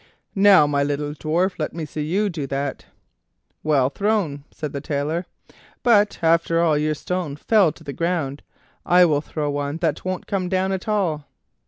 "Now, my little dwarf, let me see you do that." "Well thrown," said the Tailor; "but, after all, your stone fell to the ground; I'll throw one that won't come down at all."